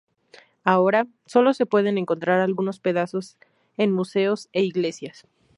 Ahora, solo se pueden encontrar algunos pedazos en museos e iglesias.